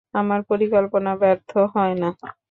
আমার পরিকল্পনা ব্যর্থ হয় না।